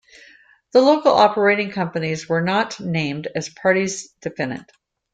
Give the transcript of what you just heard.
The local operating companies were not named as parties defendant.